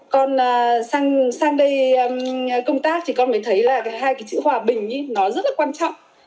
con sang đây công tác thì con mới thấy là hai cái chữ hòa bình nó rất là quan trọng